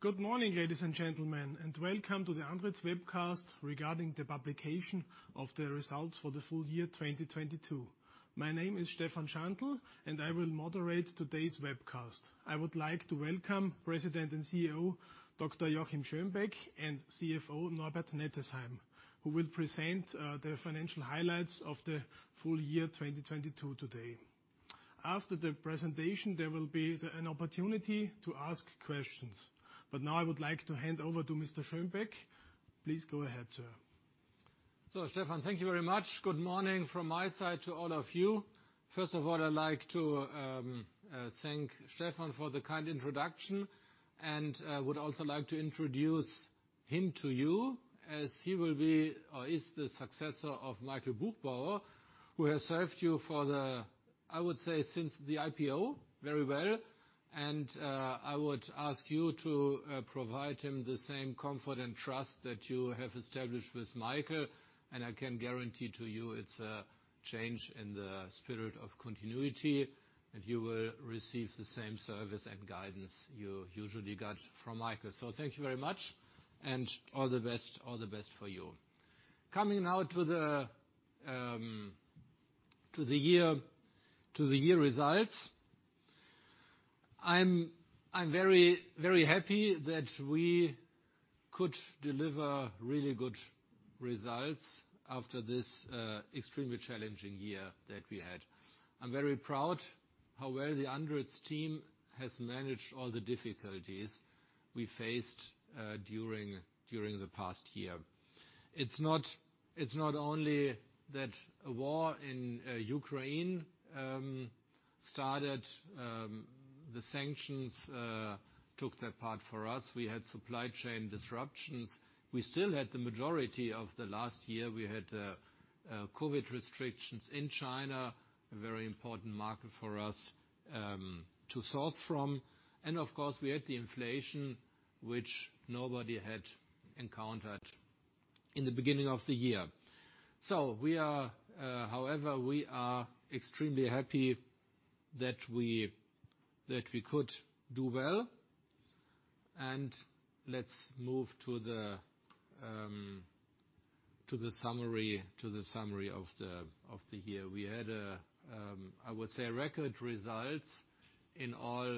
Good morning, ladies and gentlemen, and welcome to the ANDRITZ Webcast regarding the publication of the results for the full year 2022. My name is Stefan Schantl, and I will moderate today's webcast. I would like to welcome President and CEO, Dr. Joachim Schönbeck, and CFO, Norbert Nettesheim, who will present the financial highlights of the full year 2022 today. After the presentation, there will be an opportunity to ask questions. Now I would like to hand over to Mr. Schönbeck. Please go ahead, sir. Stefan, thank you very much. Good morning from my side to all of you. First of all, I'd like to thank Stefan for the kind introduction, and would also like to introduce him to you as he will be or is the successor of Michael Buchbauer, who has served you for the, I would say, since the IPO very well. I would ask you to provide him the same comfort and trust that you have established with Michael. I can guarantee to you it's a change in the spirit of continuity, and you will receive the same service and guidance you usually got from Michael. Thank you very much, and all the best, all the best for you. Coming now to the year results. I'm very, very happy that we could deliver really good results after this extremely challenging year that we had. I'm very proud how well the ANDRITZ team has managed all the difficulties we faced during the past year. It's not only that a war in Ukraine started, the sanctions took their part for us. We had supply chain disruptions. We still had the majority of the last year, we had COVID restrictions in China, a very important market for us to source from. Of course, we had the inflation which nobody had encountered in the beginning of the year. We are, however, we are extremely happy that we could do well. Let's move to the summary of the year. We had, I would say record results in all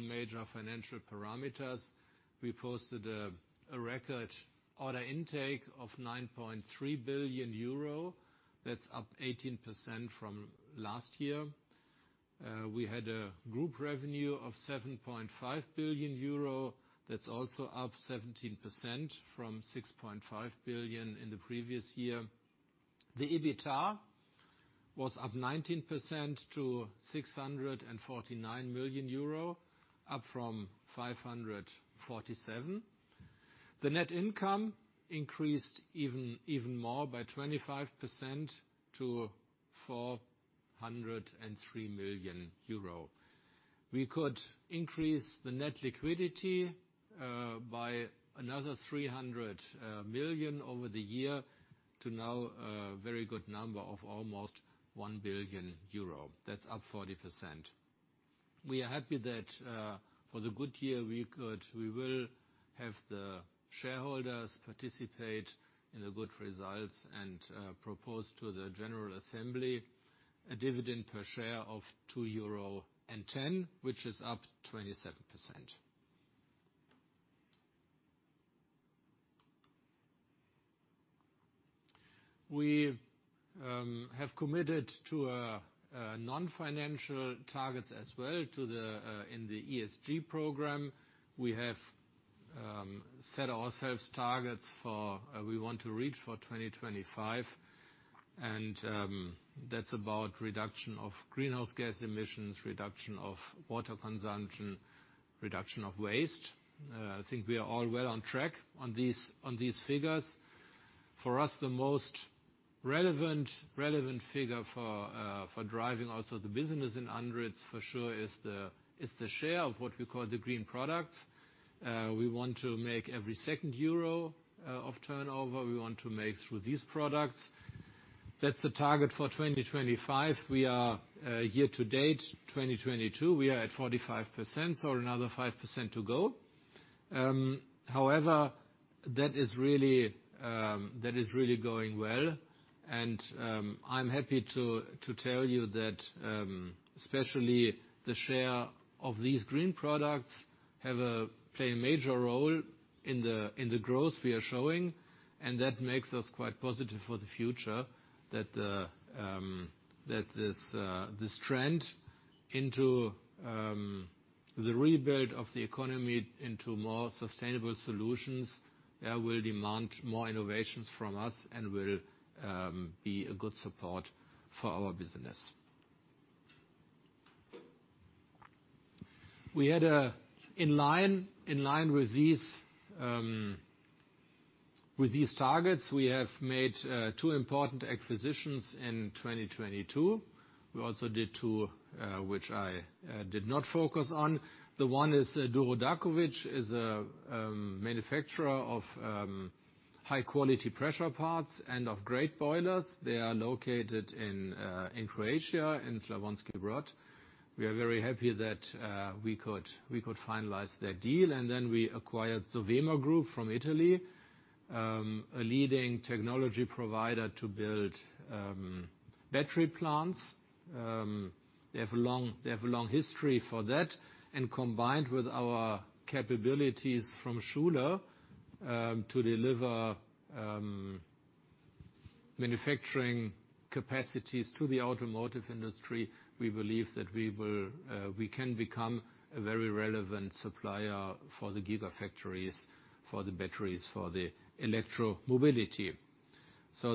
major financial parameters. We posted a record order intake of 9.3 billion euro. That's up 18% from last year. We had a group revenue of 7.5 billion euro. That's also up 17% from 6.5 billion in the previous year. The EBITDA was up 19% to 649 million euro, up from 547 million. The net income increased even more by 25% to 403 million euro. We could increase the net liquidity by another 300 million over the year to now a very good number of almost 1 billion euro. That's up 40%. We are happy that for the good year, we will have the shareholders participate in the good results and propose to the general assembly a dividend per share of 2.10 euro, which is up 27%. We have committed to a non-financial targets as well to the in the ESG program. We have set ourselves targets for we want to reach for 2025, and that's about reduction of greenhouse gas emissions, reduction of water consumption, reduction of waste. I think we are all well on track on these, on these figures. For us, the most relevant figure for driving also the business in ANDRITZ for sure is the share of what we call the green products. We want to make every second EUR of turnover, we want to make through these products. That's the target for 2025. We are year to date, 2022, we are at 45%, so another 5% to go. However, that is really going well. I'm happy to tell you that especially the share of these green products play a major role in the growth we are showing, and that makes us quite positive for the future that this trend into the rebuild of the economy into more sustainable solutions will demand more innovations from us and will be a good support for our business. In line with these targets, we have made two important acquisitions in 2022. We also did two, which I did not focus on. The one is Đuro Đaković, is a manufacturer of high quality pressure parts and of grate solutions. They are located in Croatia, in Slavonski Brod. We are very happy that we could finalize that deal. We acquired the Sovema Group from Italy, a leading technology provider to build battery plants. They have a long history for that. Combined with our capabilities from Schuler, to deliver manufacturing capacities to the automotive industry, we believe that we can become a very relevant supplier for the Gigafactories, for the batteries, for the electro mobility.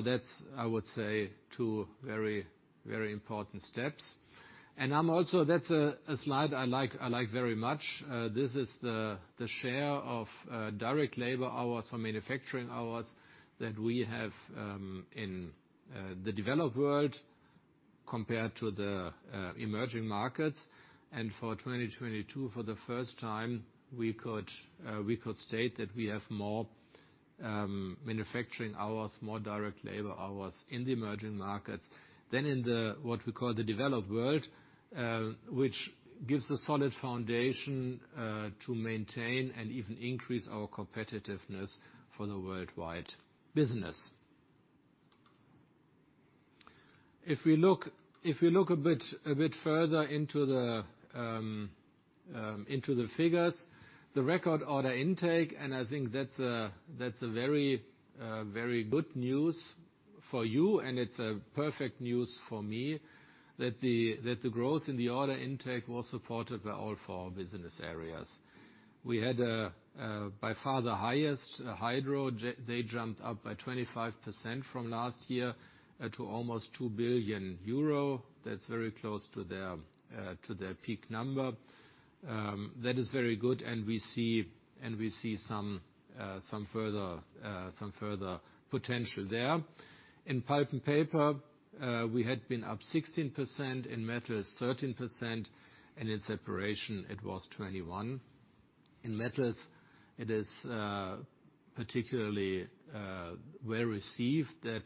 That's, I would say, two very, very important steps. I'm also. That's a slide I like very much. This is the share of direct labor hours or manufacturing hours that we have in the developed world compared to the emerging markets. For 2022, for the first time, we could state that we have more manufacturing hours, more direct labor hours in the emerging markets than in the, what we call the developed world, which gives a solid foundation to maintain and even increase our competitiveness for the worldwide business. If we look a bit further into the figures, the record order intake, I think that's a very good news for you and it's a perfect news for me, that the growth in the order intake was supported by all four business areas. We had a by far the highest Hydro, they jumped up by 25% from last year, to almost 2 billion euro. That's very close to their peak number. That is very good, we see some further potential there. In Pulp & Paper, we had been up 16%, in Metals 13%, in Separation it was 21%. In Metals, it is particularly well-received that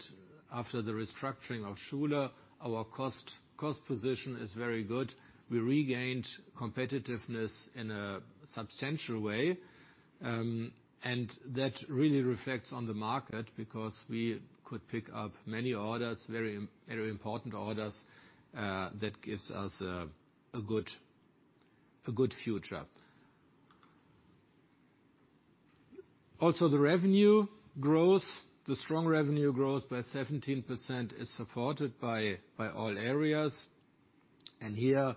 after the restructuring of Schuler, our cost position is very good. We regained competitiveness in a substantial way, and that really reflects on the market because we could pick up many orders, very important orders, that gives us a good future. Also, the revenue growth, the strong revenue growth by 17% is supported by all areas. Here,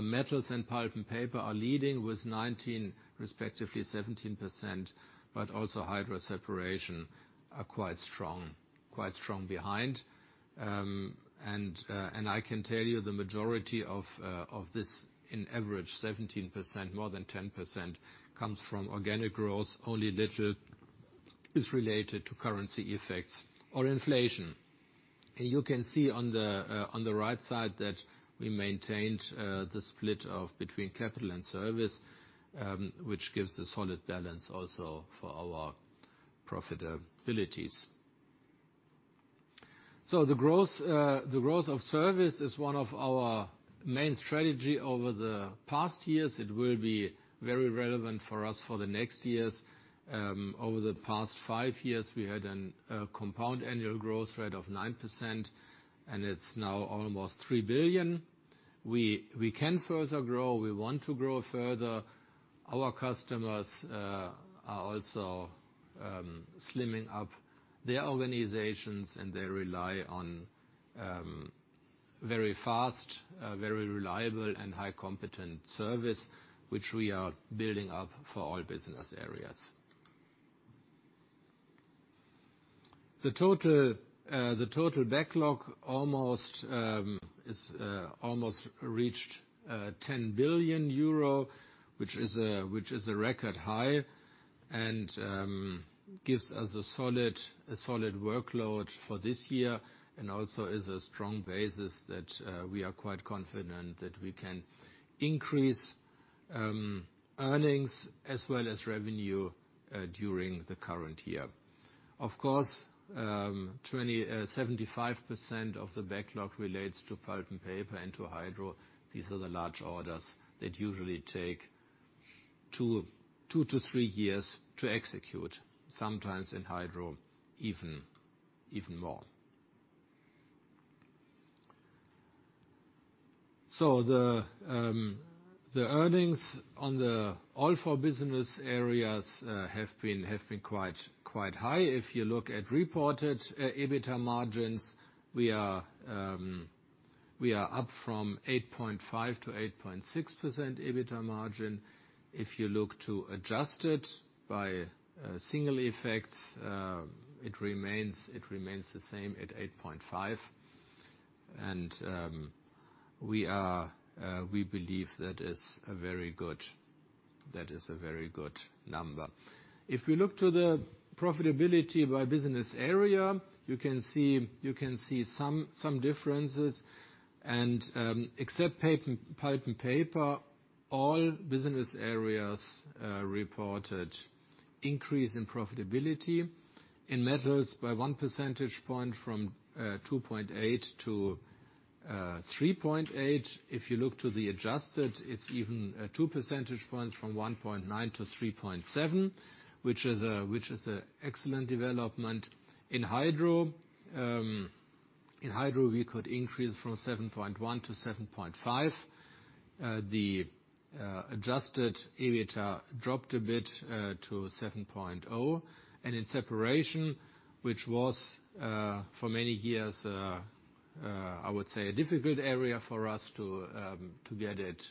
Metals and Pulp & Paper are leading with 19%, respectively 17%, but also Hydro, Separation are quite strong behind. And I can tell you the majority of this, in average 17%, more than 10%, comes from organic growth, only a little is related to currency effects or inflation. You can see on the right side that we maintained the split of between capital and service, which gives a solid balance also for our profitabilities. The growth of service is one of our main strategy over the past years. It will be very relevant for us for the next years. Over the past five years, we had an compound annual growth rate of 9%, and it's now almost 3 billion. We can further grow. We want to grow further. Our customers are also slimming up their organizations and they rely on very fast, very reliable and high competent service, which we are building up for all business areas. The total backlog almost is almost reached 10 billion euro, which is a record high and gives us a solid workload for this year and also is a strong basis that we are quite confident that we can increase earnings as well as revenue during the current year. Of course, 20, 75% of the backlog relates to Pulp & Paper and to Hydro. These are the large orders that usually take two to three vyears to execute, sometimes in Hydro even more. The earnings on the all four business areas have been quite high. If you look at reported EBITDA margins, we are up from 8.5%-8.6% EBITDA margin. If you look to adjusted by singular effects, it remains the same at 8.5%. We believe that is a very good number. If we look to the profitability by business area, you can see some differences. Except Pulp & Paper, all business areas reported increase in profitability. In Metals, by 1 percentage point from 2.8% to 3.8%. If you look to the adjusted, it's even 2 percentage points from 1.9% to 3.7%, which is a excellent development. In Hydro, we could increase from 7.1% to 7.5%. The adjusted EBITDA dropped a bit to 7.0%. In Separation, which was for many years, I would say a difficult area for us to get it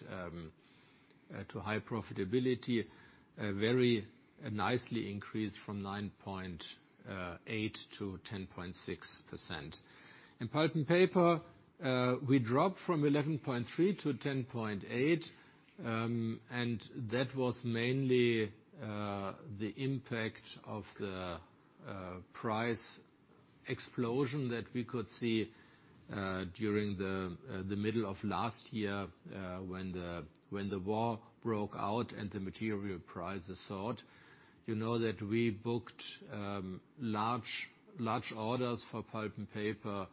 to high profitability, a very nicely increased from 9.8%-10.6%. In Pulp & Paper, we dropped from 11.3% to 10.8%, and that was mainly the impact of the price explosion that we could see during the middle of last year, when the war broke out and the material prices soared. You know that we booked large orders for Pulp & Paper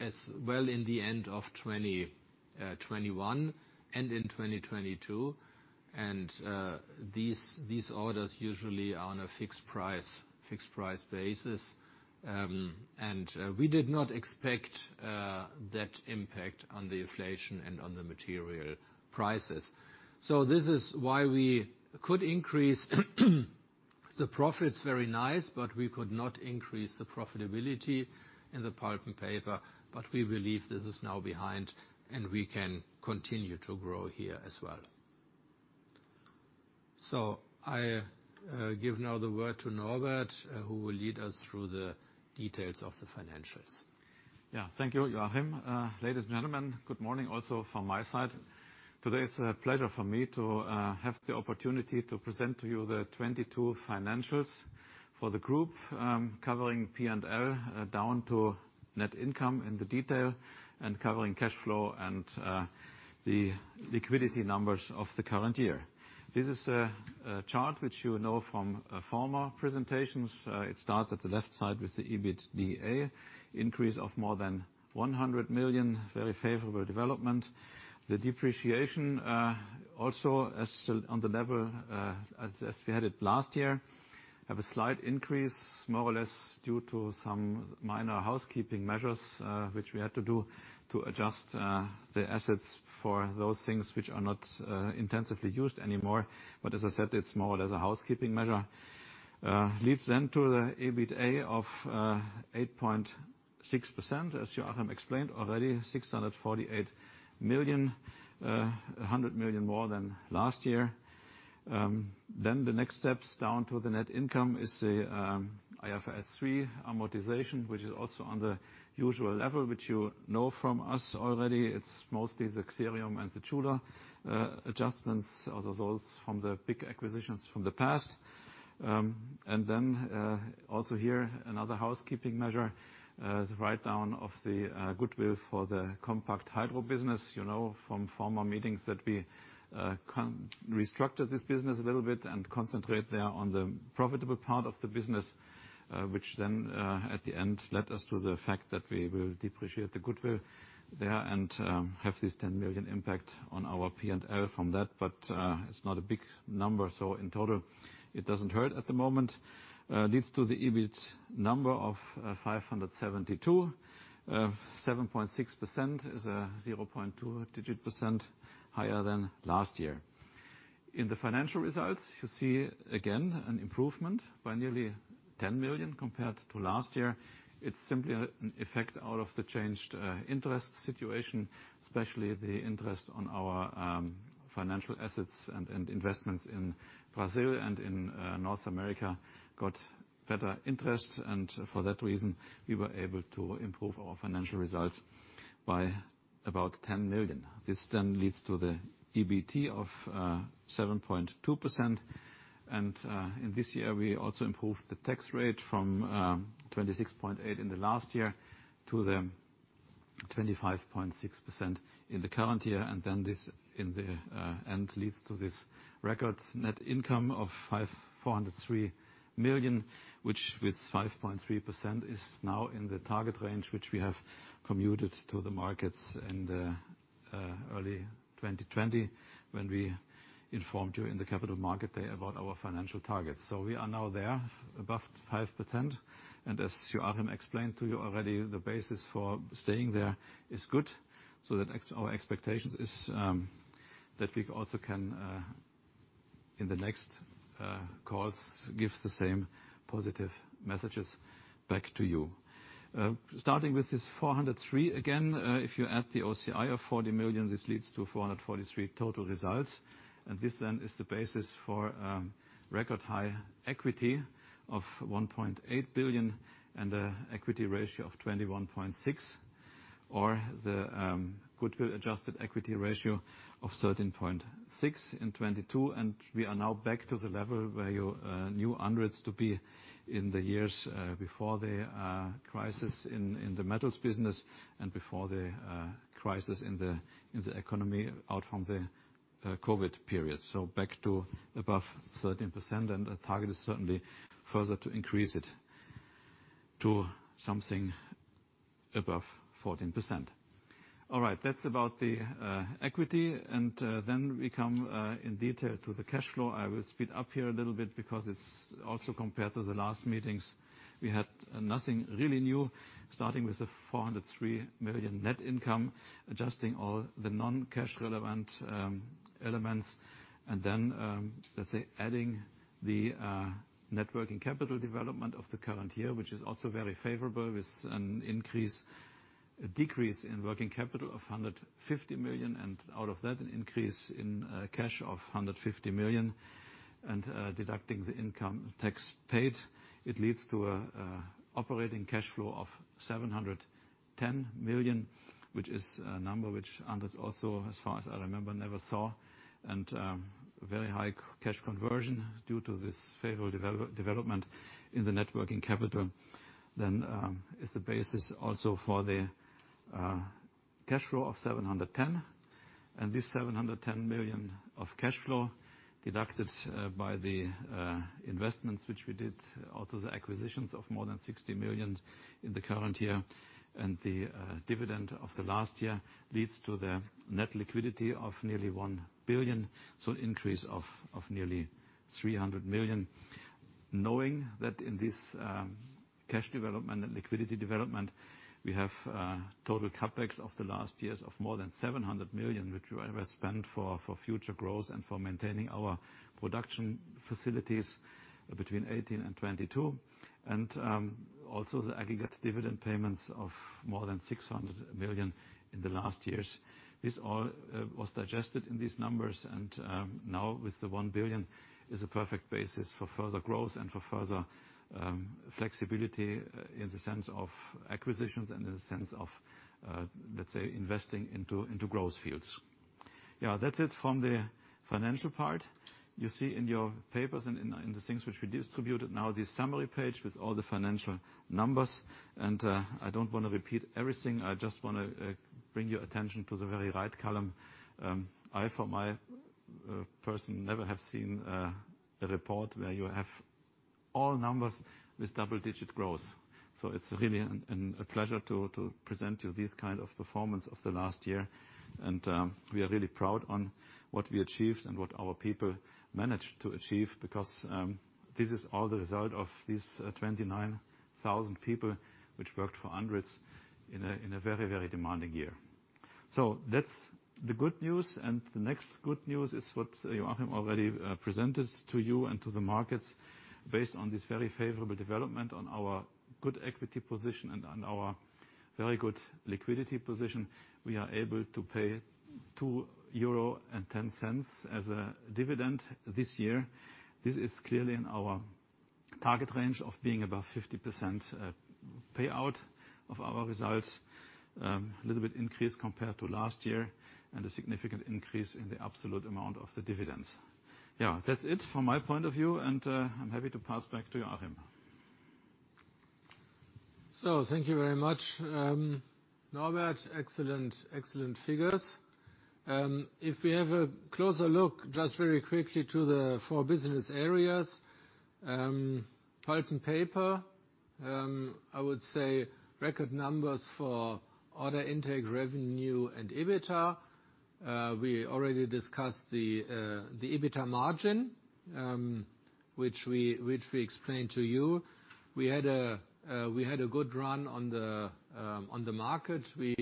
as well in the end of 2021 and in 2022. These orders usually are on a fixed-price basis. We did not expect that impact on the inflation and on the material prices. This is why we could increase the profits very nice, but we could not increase the profitability in the Pulp & Paper, but we believe this is now behind, and we can continue to grow here as well. I give now the word to Norbert, who will lead us through the details of the financials. Yeah. Thank you, Joachim. Ladies and gentlemen, good morning also from my side. Today, it's a pleasure for me to have the opportunity to present to you the 2022 financials for the group, covering P&L down to net income in the detail and covering cash flow and the liquidity numbers of the current year. This is a chart which you know from former presentations. It starts at the left side with the EBITDA increase of more than 100 million, very favorable development. The depreciation also as still on the level as we had it last year. Have a slight increase, more or less due to some minor housekeeping measures, which we had to do to adjust the assets for those things which are not intensively used anymore. As I said, it's more or less a housekeeping measure. Leads then to the EBITDA of 8.6%, as Joachim explained already, 648 million, 100 million more than last year. The next steps down to the net income is the IFRS 3 amortisation, which is also on the usual level, which you know from us already. It's mostly the Xerium and the Schuler adjustments, those from the big acquisitions from the past. Also here, another housekeeping measure, the write-down of the goodwill for the Compact Hydro business. You know from former meetings that we can restructure this business a little bit and concentrate there on the profitable part of the business, which then at the end led us to the fact that we will depreciate the goodwill there and have this 10 million impact on our P&L from that. It's not a big number, so in total, it doesn't hurt at the moment. Leads to the EBIT number of 572. 7.6% is a 0.2 digit percent higher than last year. In the financial results, you see again an improvement by nearly 10 million compared to last year. It's simply an effect out of the changed interest situation, especially the interest on our financial assets and investments in Brazil and in North America got better interest. For that reason, we were able to improve our financial results by about 10 million. This leads to the EBT of 7.2%. In this year, we also improved the tax rate from 26.8% in the last year to 25.6% in the current year. This in the end leads to this record net income of 403 million, which with 5.3% is now in the target range, which we have commuted to the markets in the early 2020 when we informed you in the capital market day about our financial targets. We are now there, above 5%. As Joachim explained to you already, the basis for staying there is good. Our expectations is that we also can in the next calls give the same positive messages back to you. Starting with this 403, again, if you add the OCI of 40 million, this leads to 443 total results. This then is the basis for record high equity of 1.8 billion and a equity ratio of 21.6% or the goodwill adjusted equity ratio of 13.6% in 2022. We are now back to the level where you knew ANDRITZ to be in the years before the crisis in the Metals business and before the crisis in the economy out from the COVID period. Back to above 13% and the target is certainly further to increase it to something above 14%. All right, that's about the equity, and then we come in detail to the cash flow. I will speed up here a little bit because it's also compared to the last meetings, we had nothing really new. Starting with the 403 million net income, adjusting all the non-cash relevant elements and then, let's say adding the net working capital development of the current year, which is also very favorable with a decrease in working capital of 150 million, and out of that, an increase in cash of 150 million and deducting the income tax paid. It leads to a operating cash flow of 710 million, which is a number which ANDRITZ also, as far as I remember, never saw. Very high cash conversion due to this favorable development in the net working capital. Is the basis also for the cash flow of 710 million. This 710 million of cash flow deducted by the investments which we did, also the acquisitions of more than 60 million in the current year and the dividend of the last year leads to the net liquidity of nearly 1 billion, so an increase of nearly 300 million. Knowing that in this cash development and liquidity development, we have total CapEx of the last years of more than 700 million, which we have spent for future growth and for maintaining our production facilities between 2018 and 2022. Also the aggregate dividend payments of more than 600 million in the last years. This all was digested in these numbers. Now with the 1 billion, is a perfect basis for further growth and for further flexibility in the sense of acquisitions and in the sense of, let's say, investing into growth fields. That's it from the financial part. You see in your papers and in the things which we distributed now this summary page with all the financial numbers. I don't wanna repeat everything, I just wanna bring your attention to the very right column. I for my person never have seen a report where you have all numbers with double-digit growth. it's really a pleasure to present you this kind of performance of the last year. we are really proud on what we achieved and what our people managed to achieve because this is all the result of these 29,000 people which worked for ANDRITZ in a very, very demanding year. That's the good news. The next good news is what Joachim already presented to you and to the markets based on this very favorable development on our good equity position and on our very good liquidity position. We are able to pay 2.10 euro as a dividend this year. This is clearly in our target range of being above 50% payout of our results. A little bit increase compared to last year, and a significant increase in the absolute amount of the dividends. Yeah, that's it from my point of view, and I'm happy to pass back to Joachim. Thank you very much, Norbert. Excellent figures. If we have a closer look, just very quickly, to the four business areas. Pulp & Paper, I would say record numbers for order intake, revenue and EBITDA. We already discussed the EBITDA margin, which we explained to you. We had a good run on the market. We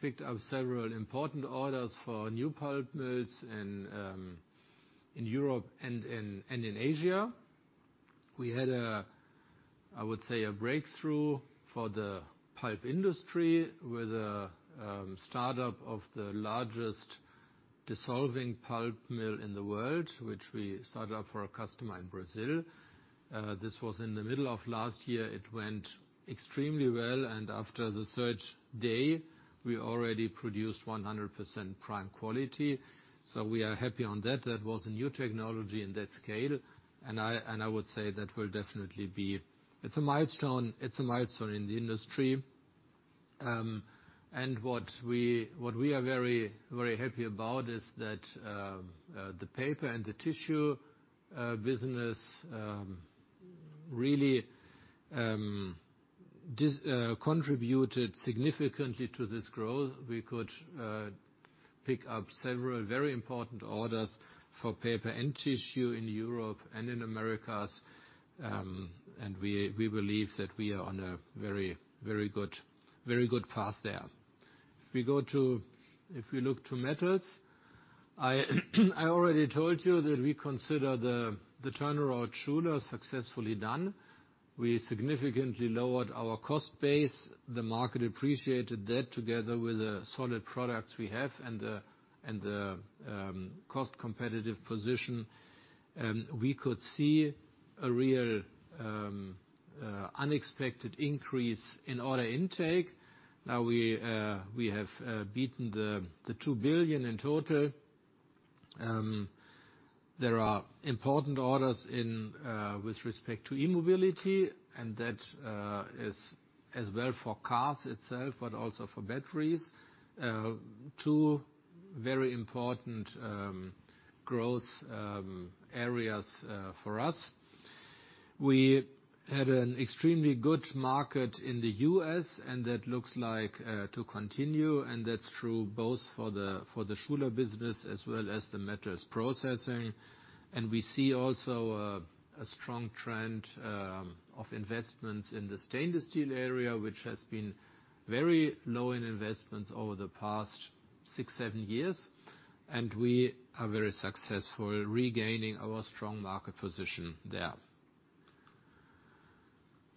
picked up several important orders for new pulp mills in Europe and in Asia. We had a, I would say, a breakthrough for the pulp industry with the startup of the largest dissolving pulp mill in the world, which we started up for a customer in Brazil. This was in the middle of last year. It went extremely well, after the third day, we already produced 100% prime quality. We are happy on that. That was a new technology in that scale, I would say it's a milestone. It's a milestone in the industry. What we are very happy about is that the paper and the tissue business really contributed significantly to this growth. We could pick up several very important orders for paper and tissue in Europe and in Americas. We believe that we are on a very good path there. If we look to Metals, I already told you that we consider the turnaround Schuler successfully done. We significantly lowered our cost base. The market appreciated that together with the solid products we have and cost competitive position. We could see a real unexpected increase in order intake. Now we have beaten the 2 billion in total. There are important orders with respect to e-mobility, and that is as well for cars itself, but also for batteries. Two very important growth areas for us. We had an extremely good market in the U.S. and that looks like to continue, and that's true both for the Schuler business as well as the Metals processing. We see also a strong trend of investments in the stainless steel area, which has been very low in investments over the past six, seven years. We are very successful regaining our strong market position there.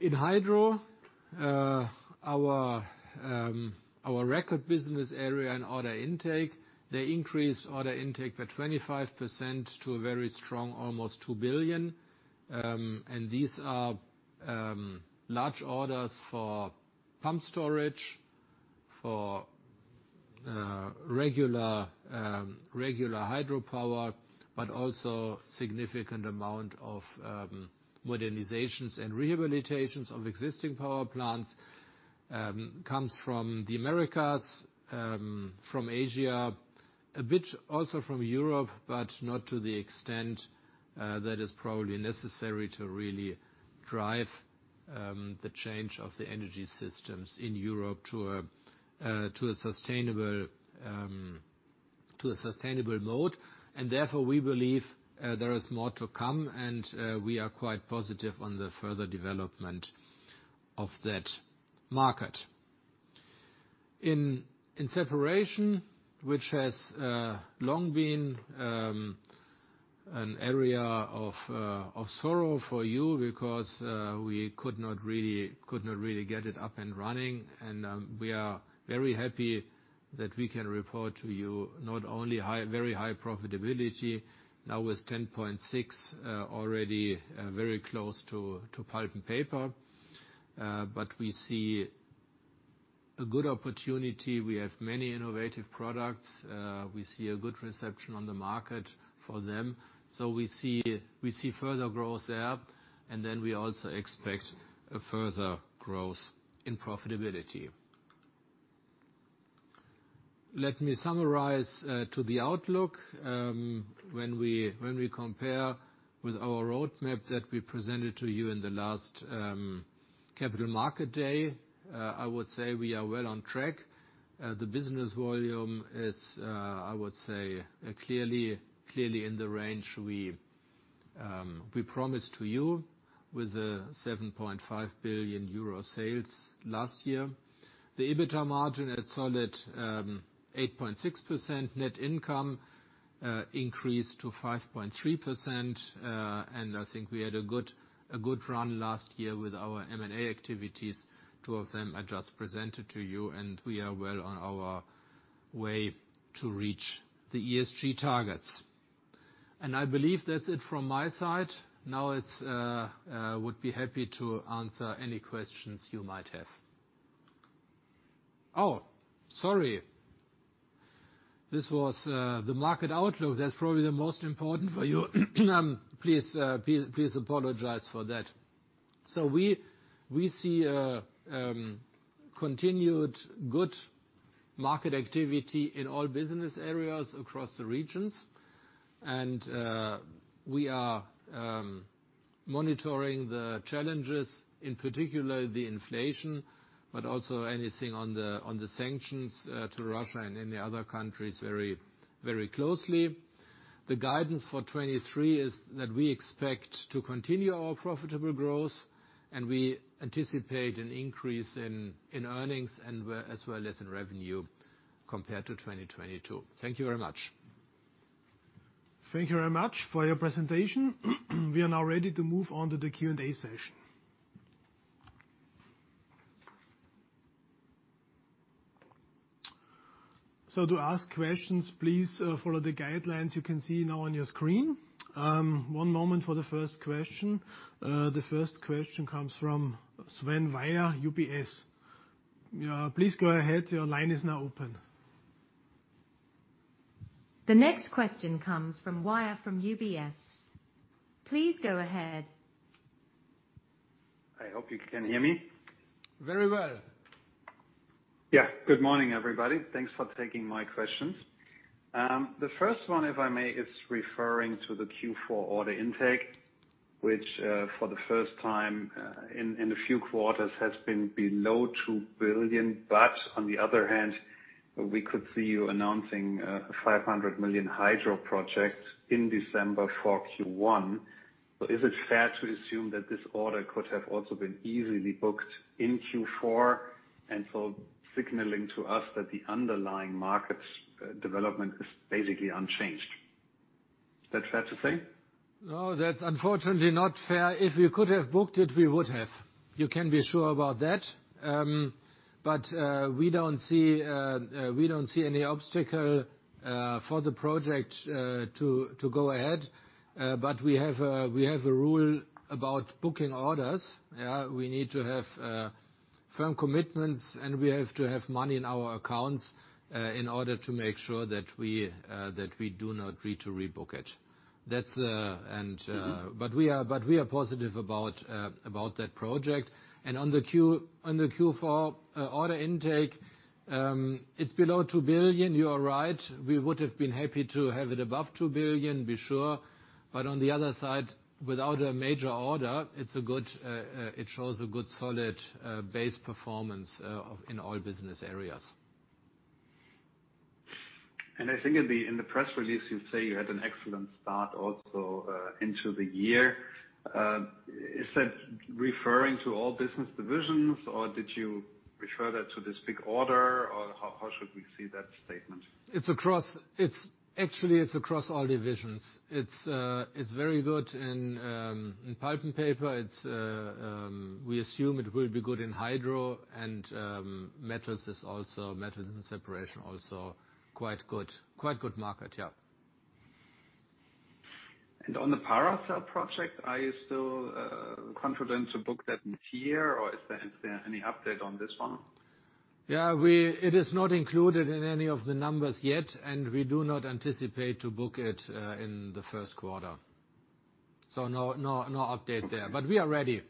In Hydro, our record business area and order intake, they increased order intake by 25% to a very strong almost 2 billion. These are large orders for pumped storage, for regular hydropower, but also significant amount of modernizations and rehabilitations of existing power plants. Comes from the Americas, from Asia, a bit also from Europe, but not to the extent that is probably necessary to really drive the change of the energy systems in Europe to a sustainable, to a sustainable mode. Therefore, we believe there is more to come and we are quite positive on the further development of that market. In Separation, which has long been an area of sorrow for you because we could not really get it up and running. We are very happy that we can report to you not only high, very high profitability, now with 10.6% already very close to Pulp & Paper. We see a good opportunity. We have many innovative products. We see a good reception on the market for them. We see further growth there. We also expect a further growth in profitability. Let me summarize to the outlook. When we compare with our roadmap that we presented to you in the last capital market day, I would say we are well on track. The business volume is, I would say, clearly in the range we promised to you with 7.5 billion euro sales last year. The EBITDA margin at solid 8.6%. Net income increased to 5.3%. I think we had a good run last year with our M&A activities. Two of them I just presented to you. We are well on our way to reach the ESG targets. I believe that's it from my side. Now it's, I would be happy to answer any questions you might have. Oh, sorry. This was the market outlook. That's probably the most important for you. Please apologize for that. We see a continued good market activity in all business areas across the regions. We are monitoring the challenges, in particular the inflation, but also anything on the sanctions to Russia and any other countries very, very closely. The guidance for 2023 is that we expect to continue our profitable growth and we anticipate an increase in earnings as well as in revenue compared to 2022. Thank you very much. Thank you very much for your presentation. We are now ready to move on to the Q&A session. To ask questions, please follow the guidelines you can see now on your screen. One moment for the first question. The first question comes from Sven Weier, UBS. Please go ahead, your line is now open. The next question comes from Sven Weier from UBS. Please go ahead. I hope you can hear me. Very well. Yeah. Good morning, everybody. Thanks for taking my questions. The first one, if I may, is referring to the Q4 order intake, which for the first time in a few quarters has been below 2 billion. On the other hand, we could see you announcing a 500 million Hydro project in December for Q1. Is it fair to assume that this order could have also been easily booked in Q4, signaling to us that the underlying markets development is basically unchanged? Is that fair to say? No, that's unfortunately not fair. If we could have booked it, we would have. You can be sure about that. We don't see any obstacle for the project to go ahead. But we have a rule about booking orders, yeah. We need to have firm commitments, and we have to have money in our accounts in order to make sure that we do not agree to rebook it. That's the.. We are positive about that project. On the Q4 order intake, it's below 2 billion, you are right. We would've been happy to have it above 2 billion, be sure. On the other side, without a major order, it shows a good solid base performance of, in all business areas. I think it'd be in the press release, you say you had an excellent start also, into the year. Is that referring to all business divisions, or did you refer that to this big order? How should we see that statement? It's across, it's, actually, it's across all divisions. It's very good in Pulp & Paper. We assume it will be good in Hydro, and Metals and Separation also quite good market, yeah. On the Paracel project, are you still confident to book that in here, or is there any update on this one? Yeah. It is not included in any of the numbers yet. We do not anticipate to book it in the first quarter. No update there. We are ready.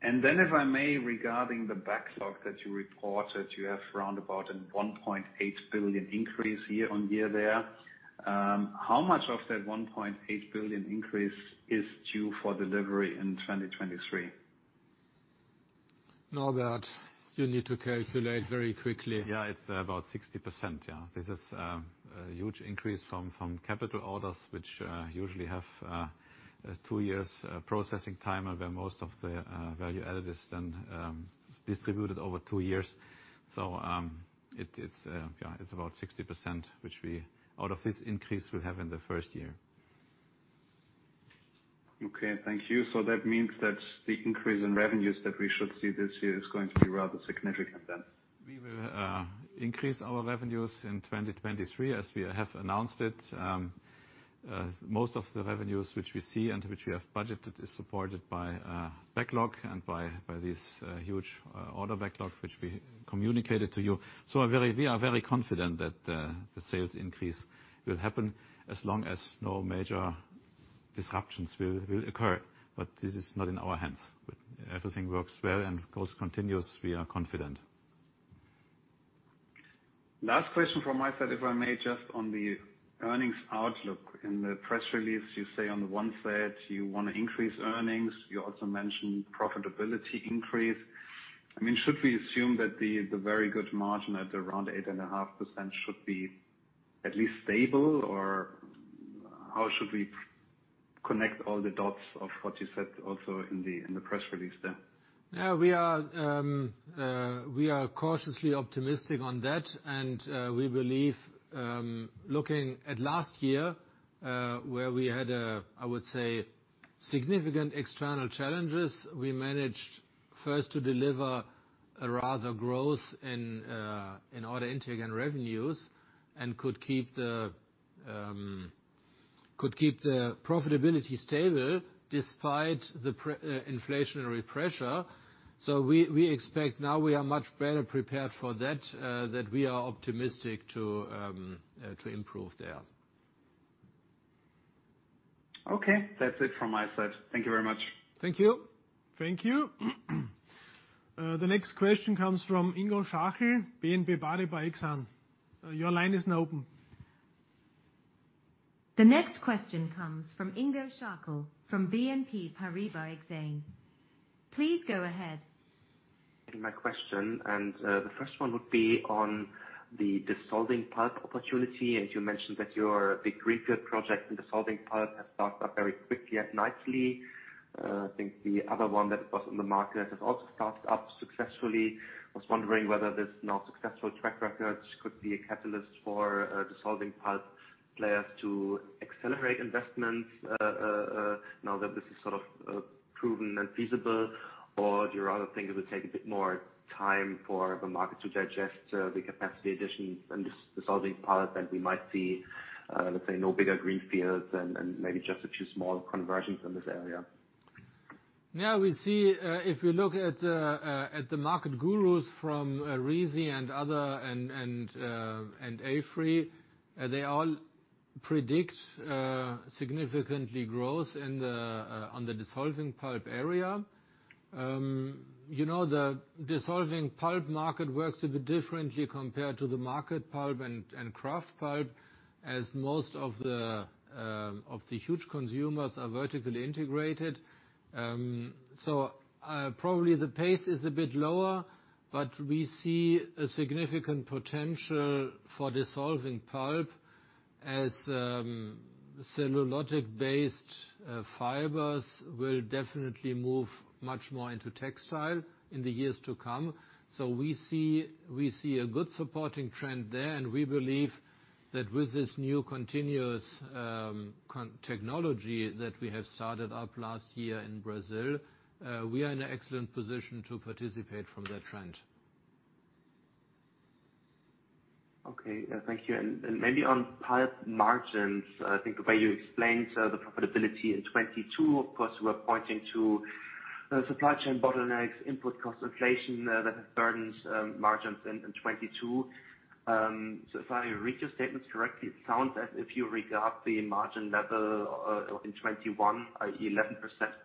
If I may, regarding the backlog that you reported, you have round about an 1.8 billion increase year-over-year there. How much of that 1.8 billion increase is due for delivery in 2023? Norbert, you need to calculate very quickly. It's about 60%. This is a huge increase from capital orders, which usually have two years processing time, and where most of the value added is then distributed over two years. It's about 60%, which we, out of this increase we'll have in the first year. Okay, thank you. That means that the increase in revenues that we should see this year is going to be rather significant. We will increase our revenues in 2023 as we have announced it. Most of the revenues which we see and which we have budgeted is supported by backlog and by this huge order backlog which we communicated to you. We are very confident that the sales increase will happen as long as no major disruptions will occur. This is not in our hands. If everything works well and goes continuous, we are confident. Last question from my side, if I may, just on the earnings outlook. In the press release, you say on the one side you wanna increase earnings. You also mentioned profitability increase. I mean, should we assume that the very good margin at around 8.5% should be at least stable, or how should we connect all the dots of what you said also in the press release there? We are cautiously optimistic on that. We believe looking at last year, where we had a, I would say, significant external challenges, we managed first to deliver a rather growth in order intake and revenues, and could keep the profitability stable despite the inflationary pressure. We expect now we are much better prepared for that we are optimistic to improve there. Okay. That's it from my side. Thank you very much. Thank you. Thank you. The next question comes from Ingo Schachel, BNP Paribas Exane. Your line is now open. The next question comes from Ingo Schachel from BNP Paribas Exane. Please go ahead. My question, and, the first one would be on the dissolving pulp opportunity, as you mentioned that your big greenfield project in dissolving pulp has started up very quickly and nicely. I think the other one that was on the market has also started up successfully. I was wondering whether this now successful track record could be a catalyst for dissolving pulp players to accelerate investments, now that this is sort of proven and feasible. Do you rather think it would take a bit more time for the market to digest the capacity additions in dissolving pulp, and we might see, let's say no bigger greenfields and maybe just a few small conversions in this area? Yeah. We see, if you look at the market gurus from RISI and other and AFRY, they all predict significantly growth in the on the dissolving pulp area. You know, the dissolving pulp market works a bit differently compared to the market pulp and kraft pulp, as most of the of the huge consumers are vertically integrated. Probably the pace is a bit lower, but we see a significant potential for dissolving pulp as cellulosic-based fibers will definitely move much more into textile in the years to come. We see a good supporting trend there, and we believe that with this new continuous technology that we have started up last year in Brazil, we are in an excellent position to participate from that trend. Okay. thank you. Maybe on Pulp & Paper margins, I think the way you explained the profitability in 2022, of course, you were pointing to supply chain bottlenecks, input cost inflation, that has burdened margins in 2022. If I read your statements correctly, it sounds as if you regard the margin level in 2021, i.e., 11%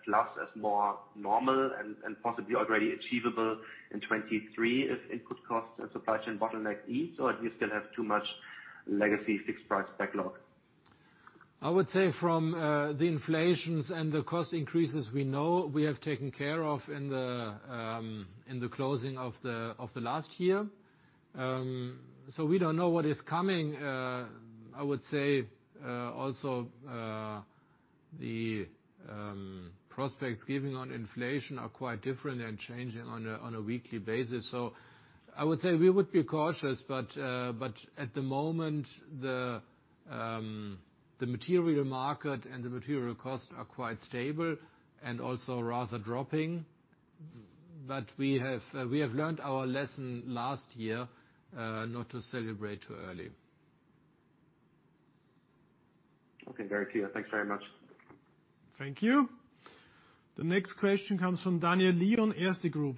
plus as more normal and possibly already achievable in 2023 if input costs and supply chain bottlenecks ease, or do you still have too much legacy fixed price backlog? I would say from the inflations and the cost increases, we know we have taken care of in the closing of the last year. We don't know what is coming. I would say also the prospects giving on inflation are quite different and changing on a weekly basis. I would say we would be cautious, but at the moment the material market and the material costs are quite stable and also rather dropping. We have learned our lesson last year not to celebrate too early. Okay. Very clear. Thanks very much. Thank you. The next question comes from Daniel Lion on Erste Group.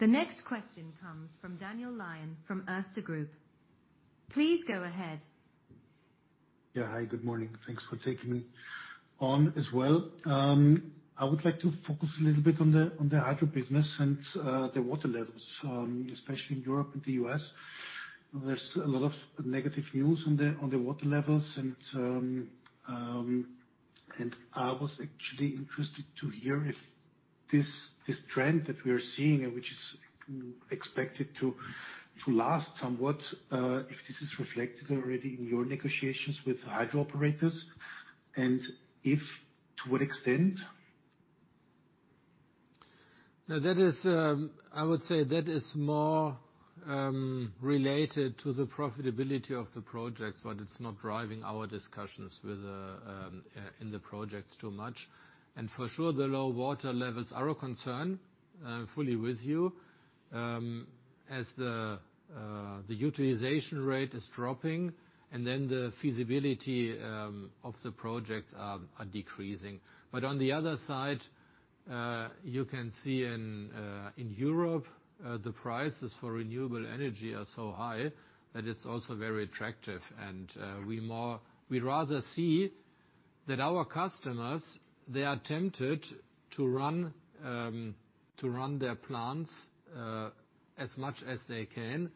The next question comes from Daniel Lion from Erste Group. Please go ahead. Hi, good morning. Thanks for taking me on as well. I would like to focus a little bit on the Hydro business and the water levels, especially in Europe and the U.S. There's a lot of negative news on the water levels. I was actually interested to hear if this trend that we are seeing, which is expected to last somewhat, if this is reflected already in your negotiations with Hydro operators, and if, to what extent? That is, I would say that is more related to the profitability of the projects. It's not driving our discussions in the projects too much. For sure, the low water levels are a concern, fully with you, as the utilization rate is dropping, and then the feasibility of the projects are decreasing. On the other side, you can see in Europe, the prices for renewable energy are so high that it's also very attractive. We'd rather see that our customers, they are tempted to run their plants, as much as they can,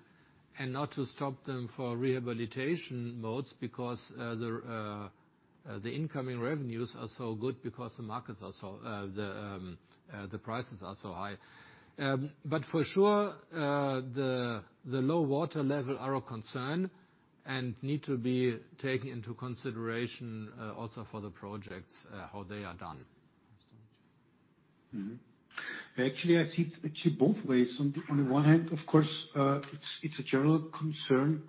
and not to stop them for rehabilitation modes because the incoming revenues are so good because the prices are so high. For sure, the low water level are a concern and need to be taken into consideration, also for the projects, how they are done. Actually, I see it actually both ways. On the one hand, of course, it's a general concern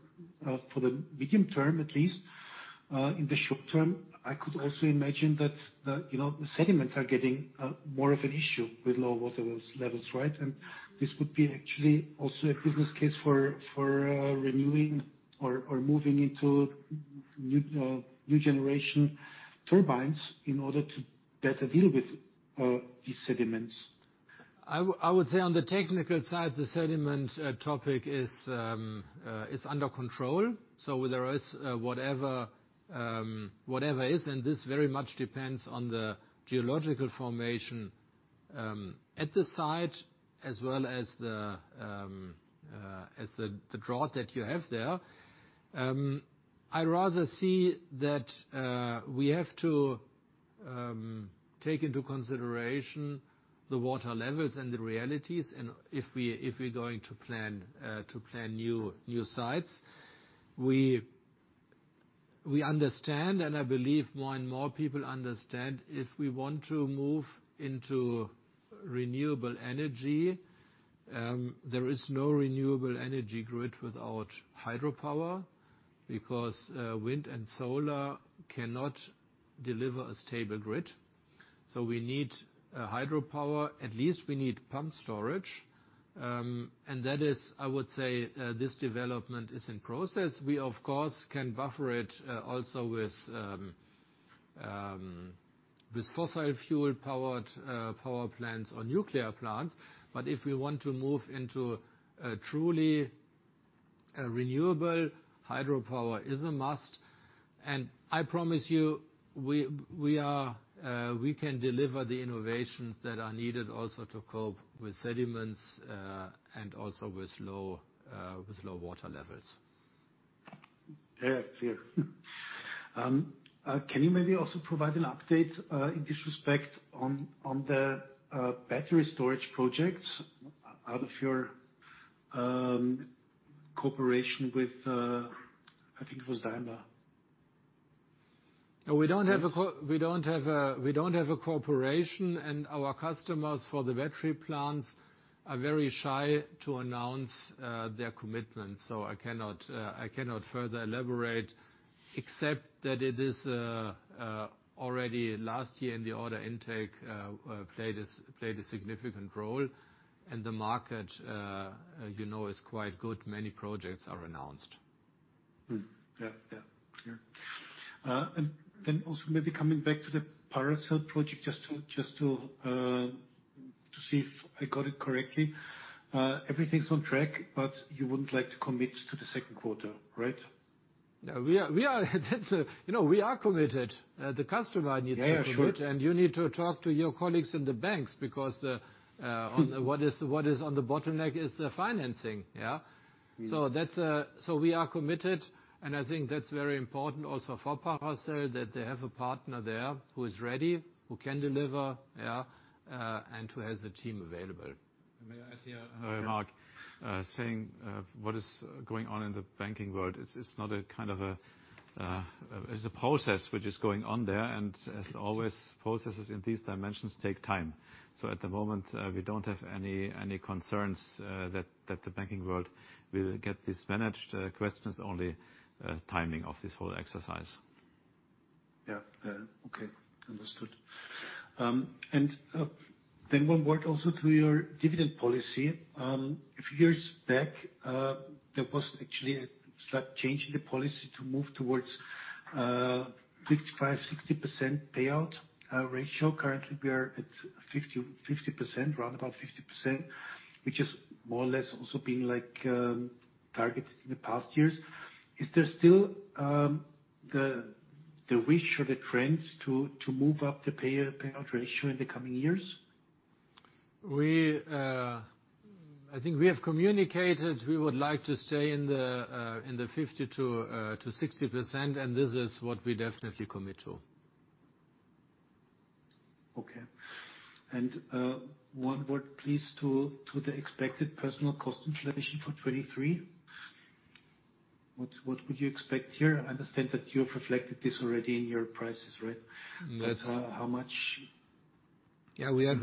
for the medium term, at least. In the short term, I could also imagine that the, you know, the sediments are getting more of an issue with low water levels, right? This would be actually also a business case for renewing or moving into new generation turbines in order to better deal with these sediments. I would say on the technical side, the sediment topic is under control. There is whatever whatever is, and this very much depends on the geological formation at the site, as well as the drought that you have there. I'd rather see that we have to take into consideration the water levels and the realities and if we're going to plan new sites. We understand, and I believe more and more people understand, if we want to move into renewable energy, there is no renewable energy grid without hydropower because wind and solar cannot deliver a stable grid. We need hydropower, at least we need pumped storage. And that is, I would say, this development is in process. We, of course, can buffer it, also with fossil fuel-powered power plants or nuclear plants. If we want to move into a truly a renewable, hydropower is a must. I promise you, we are, we can deliver the innovations that are needed also to cope with sediments, and also with low, with low water levels. Yeah. Clear. Can you maybe also provide an update in this respect on the battery storage projects out of your cooperation with I think it was Daimler? No, we don't have a cooperation, and our customers for the battery plants are very shy to announce their commitment. I cannot further elaborate, except that it is already last year in the order intake played a significant role. The market, you know, is quite good. Many projects are announced. Yeah, yeah. Sure. Also maybe coming back to the Paracel project, just to see if I got it correctly. Everything's on track, you wouldn't like to commit to the second quarter, right? Yeah. We are, you know, we are committed. The customer needs to commit. Yeah, yeah. Sure. You need to talk to your colleagues in the banks because the, What is on the bottleneck is the financing. Yes. That's. We are committed, and I think that's very important also for Paracel that they have a partner there who is ready, who can deliver, yeah, and who has the team available. May I add here, Mark. Yeah. Saying, what is going on in the banking world, it's not a kind of a, it's a process which is going on there. As always, processes in these dimensions take time. At the moment, we don't have any concerns that the banking world will get these managed. The question is only timing of this whole exercise. Yeah. Yeah. Okay. Understood. Then one word also to your dividend policy. A few years back, there was actually a slight change in the policy to move towards 55%-60% payout ratio. Currently, we are at 50%, round about 50%, which is more or less also been like, targeted in the past years. Is there still the wish or the trends to move up the payout ratio in the coming years? We, I think we have communicated we would like to stay in the, in the 50%-60%, and this is what we definitely commit to. Okay. One word please to the expected personal cost inflation for 2023. What would you expect here? I understand that you have reflected this already in your prices, right? That's- How much? Yeah. We have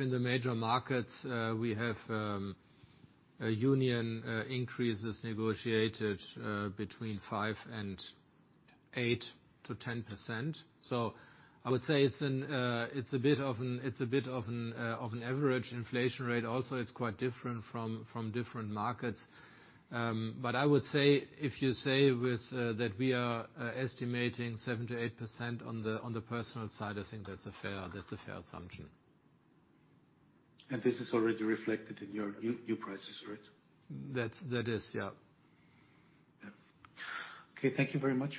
in the major markets, we have a union increases negotiated between 5% and 8%-10%. I would say it's a bit of an average inflation rate. Also, it's quite different from different markets. I would say if you say with that we are estimating 7%-8% on the personal side, I think that's a fair assumption. This is already reflected in your prices, right? That's, that is, yeah. Yeah. Okay, thank you very much.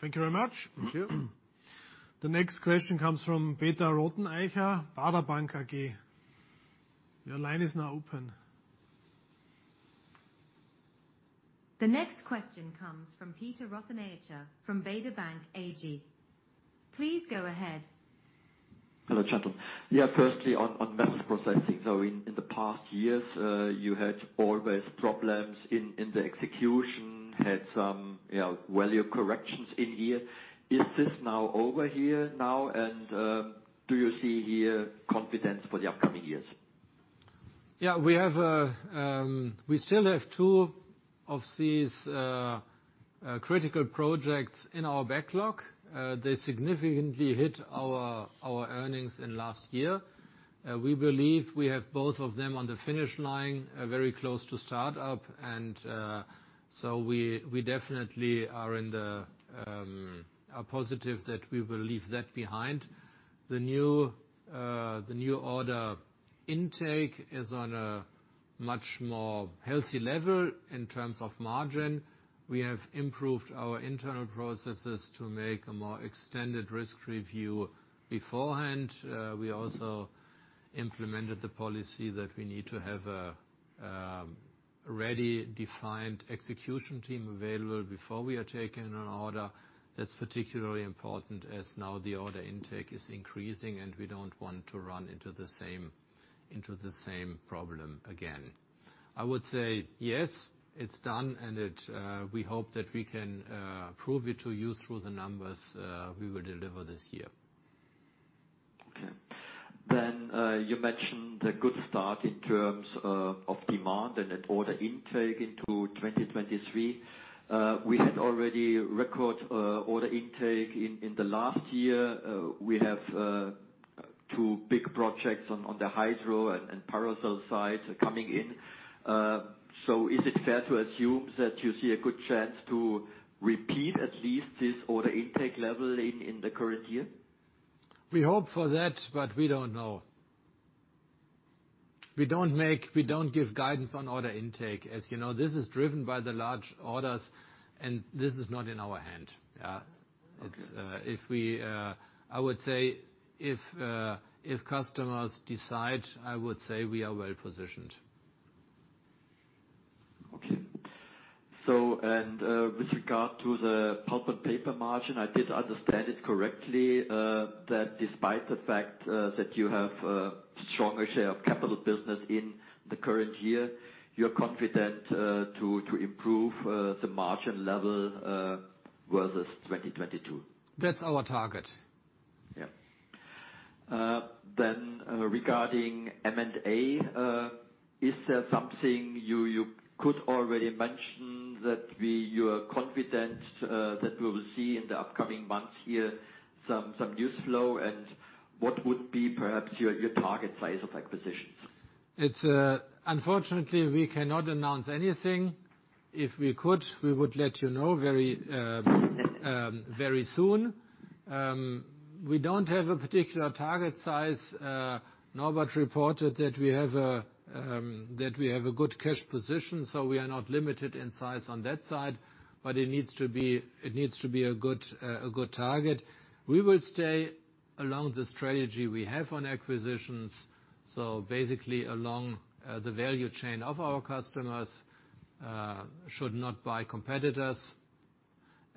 Thank you very much. Thank you. The next question comes from Peter Rothenaicher, Baader Bank AG. Your line is now open. The next question comes from Peter Rothenaicher from Baader Bank AG. Please go ahead. Hello, gentlemen. Firstly, on metal processing. In the past years, you had always problems in the execution, had some, you know, value corrections in here. Is this now over here now? Do you see here confidence for the upcoming years? Yeah. We still have two of these critical projects in our backlog. They significantly hit our earnings in last year. We believe we have both of them on the finish line, very close to start up and so we definitely are positive that we will leave that behind. The new order intake is on a much more healthy level in terms of margin. We have improved our internal processes to make a more extended risk review beforehand. We also implemented the policy that we need to have a ready defined execution team available before we are taking an order. That's particularly important as now the order intake is increasing, and we don't want to run into the same problem again. I would say, yes, it's done, and it, we hope that we can prove it to you through the numbers, we will deliver this year. Okay. You mentioned the good start in terms of demand and at order intake into 2023. We had already record order intake in the last year. We have two big projects on the Hydro and Paracel side coming in. Is it fair to assume that you see a good chance to repeat at least this order intake level in the current year? We hope for that, but we don't know. We don't give guidance on order intake. As you know, this is driven by the large orders, and this is not in our hand. Okay. It's, I would say if customers decide, I would say we are well-positioned. Okay. With regard to the Pulp & Paper margin, I did understand it correctly, that despite the fact, that you have a stronger share of capital business in the current year, you're confident, to improve, the margin level, versus 2022? That's our target. Regarding M&A, is there something you could already mention that you are confident that we will see in the upcoming months here some news flow? What would be perhaps your target size of acquisitions? It's, unfortunately, we cannot announce anything. If we could, we would let you know very, very soon. We don't have a particular target size. Norbert reported that we have a good cash position, so we are not limited in size on that side, but it needs to be a good target. We will stay along the strategy we have on acquisitions. Basically along the value chain of our customers, should not buy competitors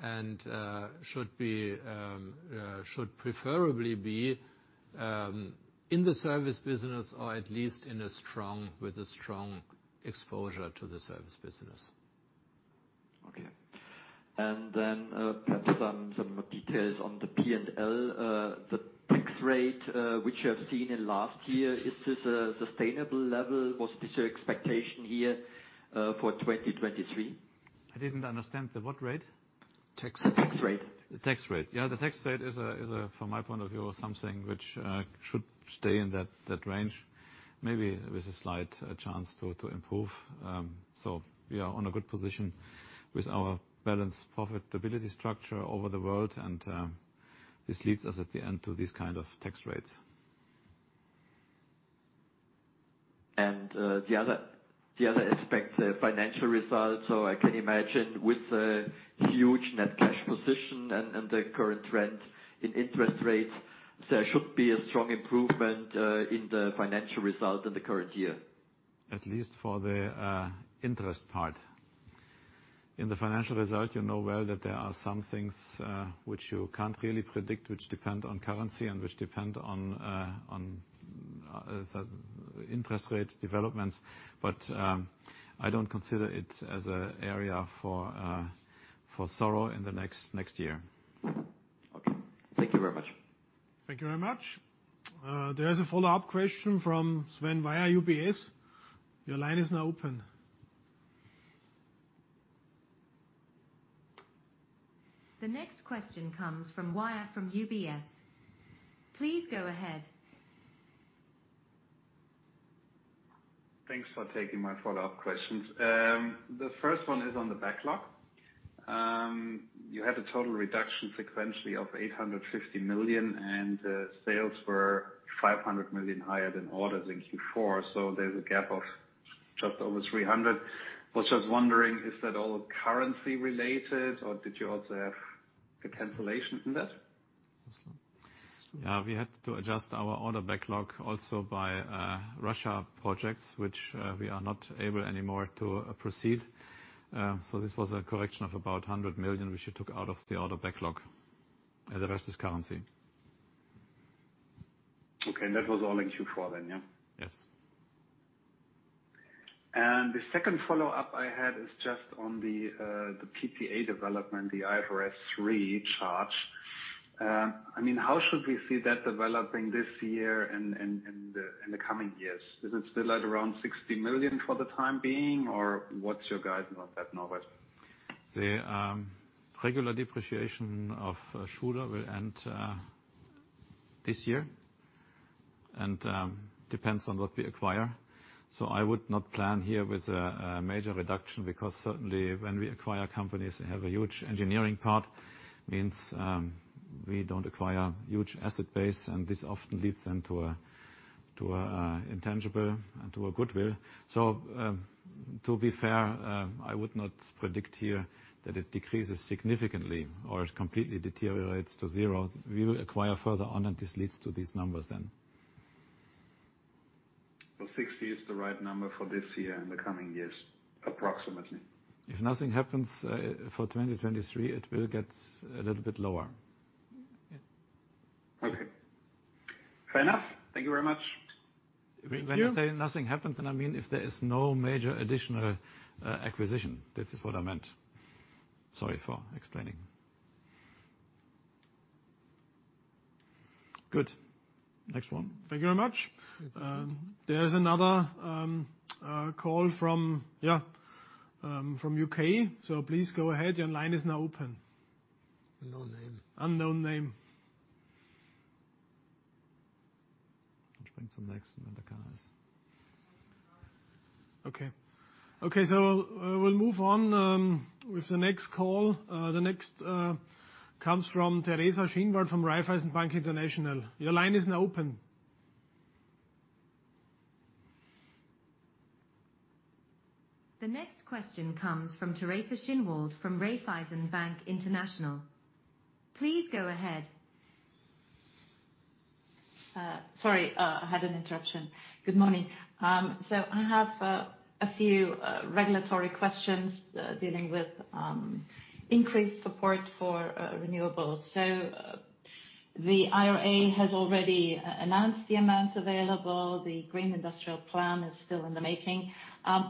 and should be, should preferably be in the service business or at least in a strong, with a strong exposure to the service business. Okay. Perhaps some more details on the P&L. The tax rate, which you have seen in last year, is this a sustainable level? What is your expectation here, for 2023? I didn't understand. The what rate? Tax rate. The tax rate. Yeah, the tax rate is a, from my point of view, something which should stay in that range. Maybe with a slight chance to improve. We are on a good position with our balanced profitability structure over the world, and this leads us at the end to these kind of tax rates. The other aspect, the financial results. I can imagine with the huge net cash position and the current trend in interest rates, there should be a strong improvement in the financial result in the current year. At least for the interest part. In the financial result, you know well that there are some things which you can't really predict, which depend on currency and which depend on interest rate developments. I don't consider it as a area for sorrow in the next year. Okay. Thank you very much. Thank you very much. There is a follow-up question from Sven Weier, UBS. Your line is now open. The next question comes from Sven Weier from UBS. Please go ahead. Thanks for taking my follow-up questions. The first one is on the backlog. You had a total reduction sequentially of 850 million and sales were 500 million higher than orders in Q4. There's a gap of just over 300 million. Was just wondering, is that all currency related, or did you also have a cancellation in that? Yeah, we had to adjust our order backlog also by Russia projects which we are not able anymore to proceed. So this was a correction of about 100 million, which we took out of the order backlog. The rest is currency. Okay. That was all in Q4 then, yeah? Yes. The second follow-up I had is just on the PPA development, the IFRS 3 charge. I mean, how should we see that developing this year and the coming years? Is it still at around 60 million for the time being, or what's your guidance on that, Norbert? The regular depreciation of Schuler will end this year, and depends on what we acquire. I would not plan here with a major reduction, because certainly when we acquire companies that have a huge engineering part, means, we don't acquire huge asset base and this often leads then to a intangible and to a goodwill. To be fair, I would not predict here that it decreases significantly or it completely deteriorates to zero. We will acquire further on, and this leads to these numbers then. 60 is the right number for this year and the coming years, approximately? If nothing happens, for 2023, it will get a little bit lower. Okay. Fair enough. Thank you very much. When I say nothing happens, I mean if there is no major additional acquisition. This is what I meant. Sorry for explaining. Good. Next one. Thank you very much. There is another call from the U.K. Please go ahead. Your line is now open. No name. Okay. Okay, we'll move on with the next call. The next comes from Teresa Schinwald from Raiffeisen Bank International. Your line is now open. The next question comes from Teresa Schinwald from Raiffeisen Bank International. Please go ahead. Sorry, I had an interruption. Good morning. I have a few regulatory questions dealing with increased support for renewables. The IRA has already announced the amounts available. The Green Deal Industrial Plan is still in the making.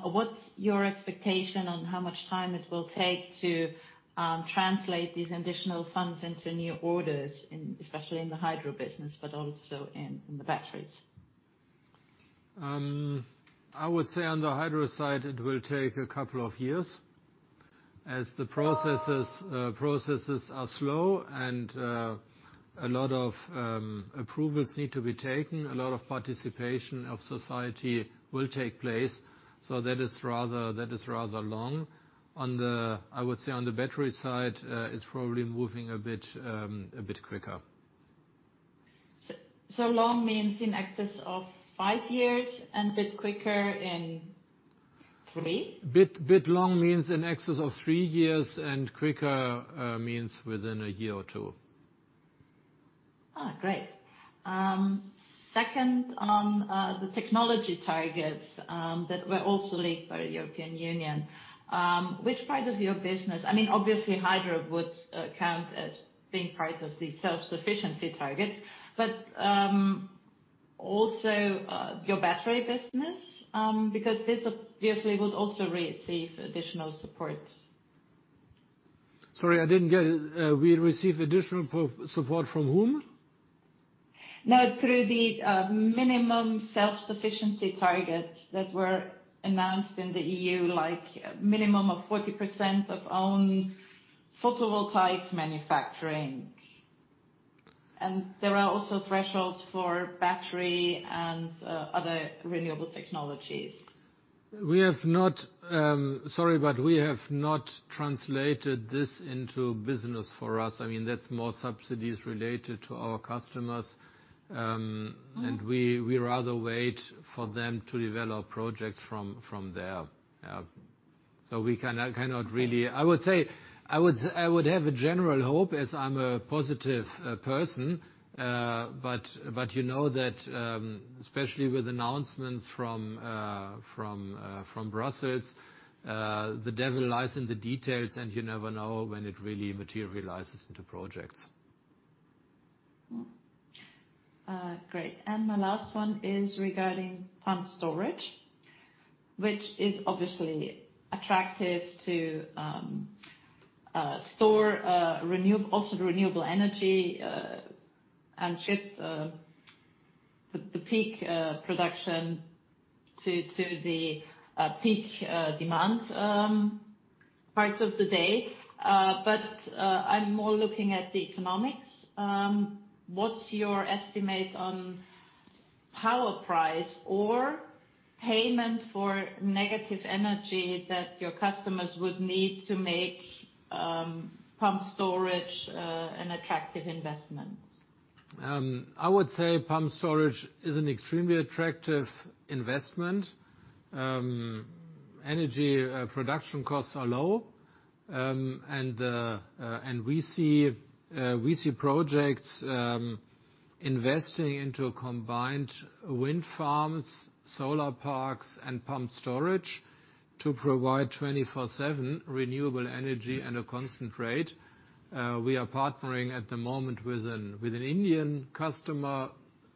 What's your expectation on how much time it will take to translate these additional funds into new orders, especially in the Hydro business, but also in the batteries? I would say on the Hydro side, it will take a couple of years. As the processes are slow and a lot of approvals need to be taken, a lot of participation of society will take place. That is rather long. I would say on the battery side, it's probably moving a bit quicker. long means in excess of five years, and a bit quicker in three? Bit long means in excess of three years, and quicker, means within a year or two. Oh, great. Second, on the technology targets, that were also leaked by the European Union. Which part of your business? I mean, obviously, Hydro would count as being part of the self-sufficiency target. Also, your battery business, because this obviously would also receive additional support. Sorry, I didn't get it. We'll receive additional pro-support from whom? No, through the minimum self-sufficiency targets that were announced in the EU, like minimum of 40% of own photovoltaic manufacturing. There are also thresholds for battery and other renewable technologies. We have not. Sorry, but we have not translated this into business for us. I mean, that's more subsidies related to our customers. We rather wait for them to develop projects from there. We cannot really. I would say, I would have a general hope as I'm a positive person. You know that, especially with announcements from Brussels, the devil lies in the details, and you never know when it really materializes into projects. Great. My last one is regarding pumped storage, which is obviously attractive to store renewable energy and shift the peak production to the peak demand parts of the day. I'm more looking at the economics. What's your estimate on power price or payment for negative energy that your customers would need to make pumped storage an attractive investment? I would say pumped storage is an extremely attractive investment. Energy production costs are low. We see projects investing into combined wind farms, solar parks, and pumped storage to provide 24/7 renewable energy at a constant rate. We are partnering at the moment with an Indian customer.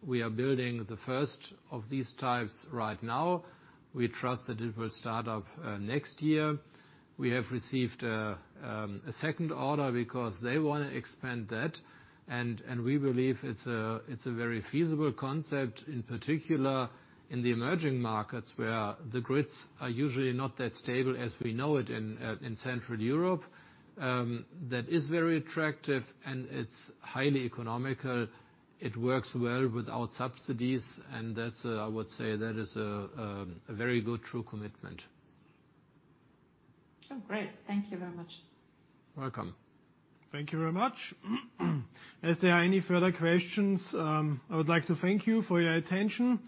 We are building the first of these types right now. We trust that it will start up next year. We have received a second order because they wanna expand that, and we believe it's a very feasible concept, in particular in the emerging markets, where the grids are usually not that stable as we know it in Central Europe. That is very attractive, and it's highly economical. It works well without subsidies, and that's, I would say that is a very good true commitment. Oh, great. Thank you very much. Welcome. Thank you very much. As there are any further questions, I would like to thank you for your attention.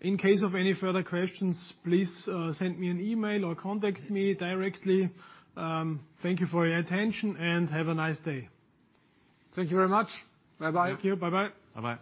In case of any further questions, please send me an email or contact me directly. Thank you for your attention, and have a nice day. Thank you very much. Bye-bye. Thank you. Bye-bye. Bye-bye.